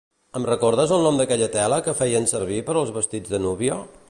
Em recordes el nom d'aquella tela que feien servir per als vestits de núvia?